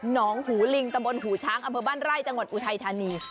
องหูลิงตะบนหูช้างอำเภอบ้านไร่จังหวัดอุทัยธานี